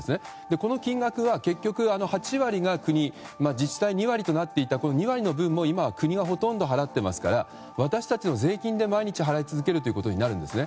この金額は結局８割が国自治体２割となっていた２割の分も国が今ほとんど払っていますから私たちの税金で毎日払い続けることになるんですね。